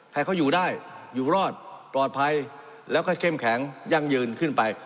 ให้เขาอยู่ได้อยู่รอดปลอดภัยแล้วก็เข้มแข็งยั่งยืนขึ้นไป